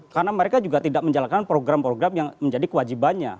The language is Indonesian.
karena mereka juga tidak menjalankan program program yang menjadi kewajibannya